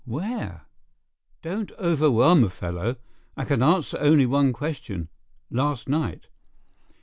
Where?" "Don't overwhelm a fellow. I can answer only one question—last night.